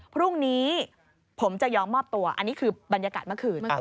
พรุ่งนี้ผมจะยอมมอบตัวอันนี้คือบรรยากาศเมื่อคืน